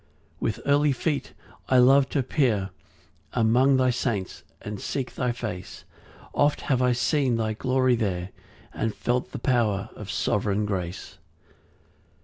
4 With early feet I love t' appear Among thy saints and seek thy face; Oft have I seen thy glory there, And felt the power of sovereign grace.